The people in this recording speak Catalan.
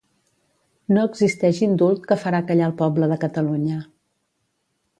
No existeix indult que farà callar el poble de Catalunya